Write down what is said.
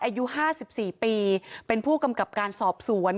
อายุห้าสิบสี่ปีเป็นผู้กำกับการสอบสวน